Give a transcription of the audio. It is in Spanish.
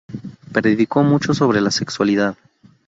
Predicó mucho sobre la sexualidad.